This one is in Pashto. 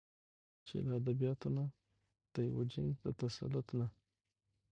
چې له ادبياتو نه د يوه جنس د تسلط نه